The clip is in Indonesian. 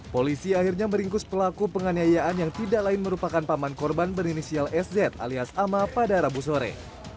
polisi akhirnya meringkus pelaku penganiayaan yang tidak lain merupakan paman korban berinisial sz alias ama pada rabu sore